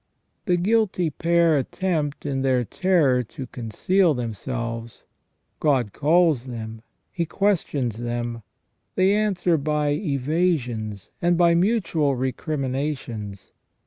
The guilty pair attempt, in their terror, to conceal themselves. God calls them ; He questions them. They answer by evasions and by mutual recriminations.